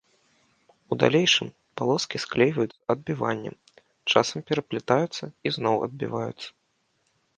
У далейшым, палоскі склейваюцца адбіваннем, часам пераплятаюцца і зноў адбіваюцца.